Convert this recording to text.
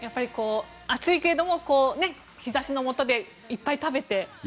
暑いけれども日差しの下でいっぱい食べて。